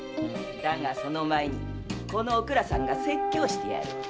だがその前にこのおくらさんが説教してやる。